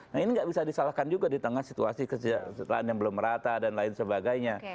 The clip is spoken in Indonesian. nah ini nggak bisa disalahkan juga di tengah situasi kesejahteraan yang belum rata dan lain sebagainya